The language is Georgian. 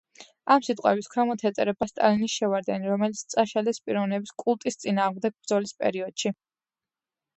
ამ სიტყვების ქვემოთ ეწერა „სტალინის შევარდენი“, რომელიც წაშალეს პიროვნების კულტის წინააღმდეგ ბრძოლის პერიოდში.